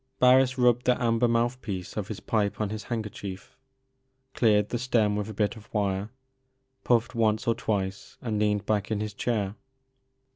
Barris rubbed the amber mouth piece of his pipe on his handkerchief, cleared the stem with a bit of wire, pufied once or twice, and leaned back in his chair.